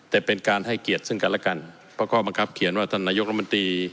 แต่เป็นการให้เกียรติซึ่งกันและกันเพราะข้อบังคับเขียนว่าท่านนายกรมนตรี